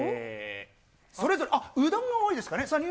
それぞれ、あっ、うどんが多いですかね。